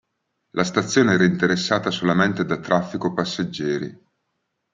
La stazione era interessata solamente da traffico passeggeri.